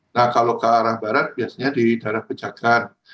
nah kalau ke arah barat biasanya di daerah pejagan